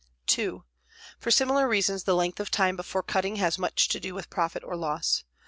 2. For similar reasons, the length of time before cutting has much to do with profit or loss.